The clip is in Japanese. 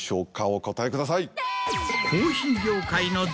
お答えください。